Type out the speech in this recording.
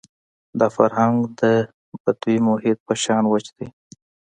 دا فرهنګ د بدوي محیط په شان وچ دی.